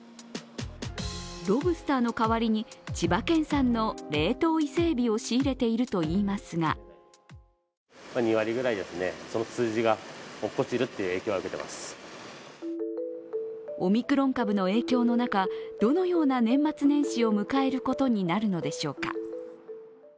ロブスターの代わりに千葉県産の冷凍伊勢えびを仕入れているといいますがオミクロン株の影響の中、どのような年末年始を迎えることになるのでしょうか。